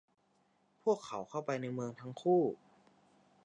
พวกเขาเข้าไปในเมืองทั้งคู่